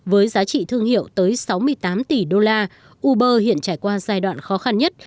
với giá trị thương hiệu tới sáu mươi tám tỷ đô la uber hiện trải qua giai đoạn khó khăn nhất